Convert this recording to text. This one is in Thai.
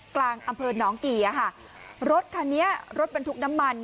กลางอำเภอหนองกี่รถคันนี้รถบรรทุกน้ำมัน